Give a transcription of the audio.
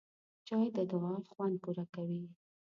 چای د دعا خوند پوره کوي